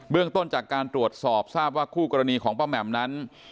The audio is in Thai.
เรื่องต้นจากการตรวจสอบทราบว่าคู่กรณีของป้าแหม่มนั้น